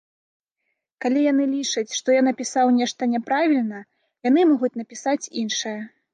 Калі яны лічаць, што я напісаў нешта няправільна, яны могуць напісаць іншае.